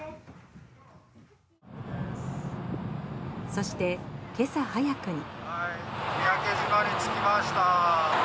そして、今朝早くに。